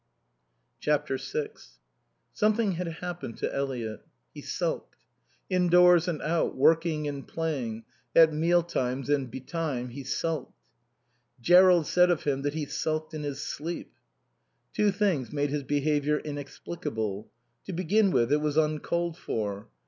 vi Something had happened to Eliot. He sulked. Indoors and out, working and playing, at meal times and bed time he sulked. Jerrold said of him that he sulked in his sleep. Two things made his behaviour inexplicable. To begin with, it was uncalled for.